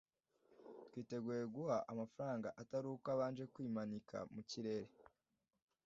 twiteguye guha amafaranga atari uko abanje kwimanika mu kirere